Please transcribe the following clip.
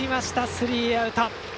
スリーアウト。